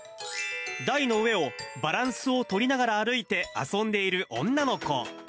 台の上をバランスを取りながら歩いて遊んでいる女の子。